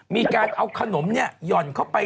มีการเอาขนมหย่อนเข้าไป